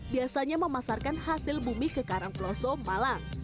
biasanya memasarkan hasil bumi ke karangploso malang